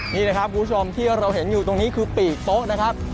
นี่นะครับคุณผู้ชมที่เราเห็นอยู่ตรงนี้คือปีกโต๊ะนะครับ